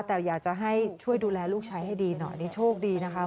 แต่อยากจะให้ช่วยดูแลลูกชายให้ดีหน่อยอันนี้โชคดีนะคะ